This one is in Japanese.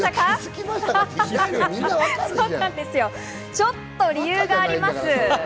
ちょっと理由があります。